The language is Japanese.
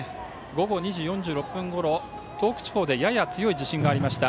午後２時４６分頃東北地方でやや強い地震がありました。